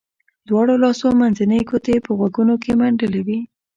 دواړو لاسو منځنۍ ګوتې یې په غوږونو کې منډلې وې.